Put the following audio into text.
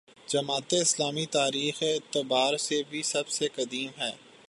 جماعت اسلامی تاریخی اعتبار سے بھی سب سے قدیم ہے۔